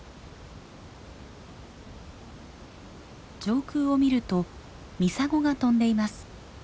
上空を見るとミサゴが飛んでいます。